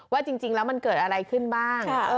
ว่าจริงแล้วมันเกิดอะไรขึ้นบ้าง